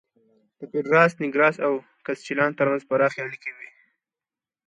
د پېډراس نېګراس او یاکسچیلان ترمنځ پراخې اړیکې وې